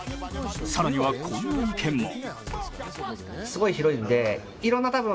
更には、こんな意見も。